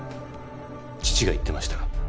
父が言ってました。